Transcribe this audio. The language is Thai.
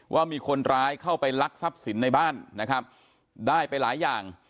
ว่ามีคนร้ายเข้าไปลักทรัพย์สินในบ้านนะครับได้ไปหลายอย่าง